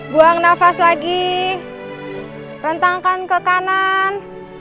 buang nafas lagi rentangkan ke kanan